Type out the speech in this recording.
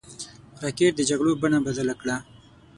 راکټ د جګړو بڼه بدله کړه